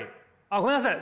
ごめんなさい。